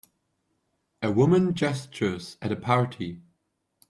A woman gestures at a party.